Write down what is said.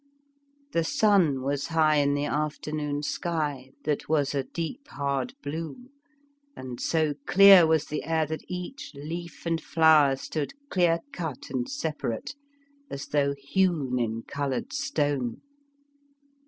The sun was high in the afternoon sky, that was a deep hard blue, and so clear was the air that each leaf and flower stood clear cut and separate, as though hewn in coloured stone.